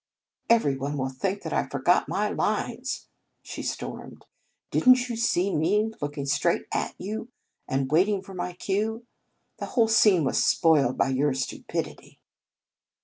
"Every one will think that I for got my lines," she stormed. " Did n t you see me looking straight at you, and waiting for my cue ? The whole scene was spoiled by your stupidity."